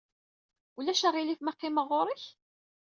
Ulac aɣilif ma qqimeɣ ɣer-k?